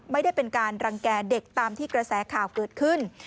ไม่ได้เป็นการรังแก่เด็กตามที่กระแสข่าวเกิดขึ้น